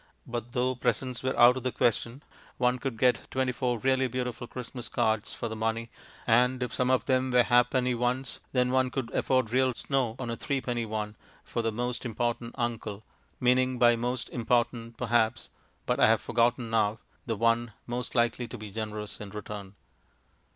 But though presents were out of the question, one could get twenty four really beautiful Christmas cards for the money, and if some of them were ha'penny ones, then one could afford real snow on a threepenny one for the most important uncle, meaning by "most important," perhaps (but I have forgotten now), the one most likely to be generous in return.